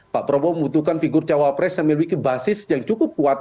pak prabowo membutuhkan figur cawapres yang memiliki basis yang cukup kuat